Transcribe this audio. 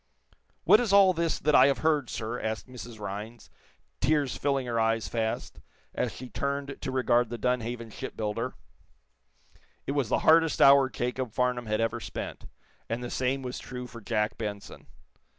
"What is all this that I have heard, sir?" asked Mrs. Rhinds, tears filling her eyes fast, as she turned to regard the Dunhaven shipbuilder. It was the hardest hour Jacob Farnum had ever spent, and the same was true for Jack Benson.